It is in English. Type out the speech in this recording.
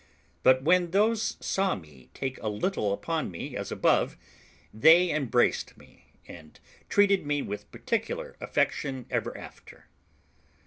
But when those saw me take a little upon me, as above, they embraced me, and treated me with particular affection ever after.